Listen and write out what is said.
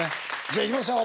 じゃあいきますよ